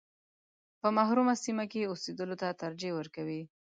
په محرومه سیمه کې اوسېدلو ته ترجیح ورکوي.